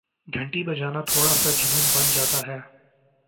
گھنٹی بجانا تھوڑا سا جنون بن جاتا ہے